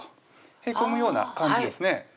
へこむような感じですね